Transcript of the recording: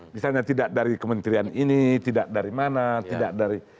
misalnya tidak dari kementerian ini tidak dari mana tidak dari